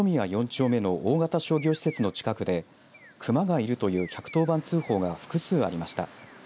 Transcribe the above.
丁目の大型商業施設の近くでクマがいるという１１０番通報が複数ありました。